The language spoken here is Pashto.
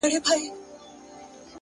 صبر وکړه لا دي زمانه راغلې نه ده ـ